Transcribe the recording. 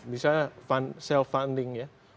bisa self funding ya